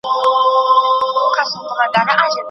د ضرورت په وخت کي مرسته لازمه ده.